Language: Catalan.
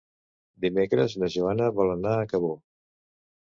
Dimecres na Joana vol anar a Cabó.